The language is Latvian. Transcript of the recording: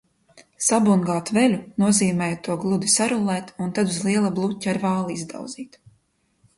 Sabungāt veļu nozīmēja to gludi sarullēt un tad uz liela bluķa ar vāli izdauzīt.